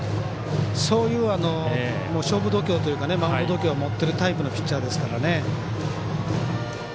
そういう勝負度胸というかマウンド度胸を持っているタイプのピッチャーですからね。